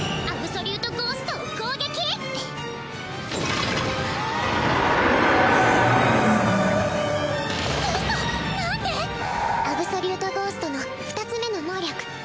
アブソリュートゴーストの２つ目の能力。